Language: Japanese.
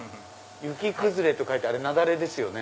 雪崩れと書いて雪崩ですよね。